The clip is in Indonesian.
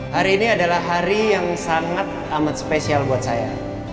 hari ini adalah hari yang sangat amat spesial buat saya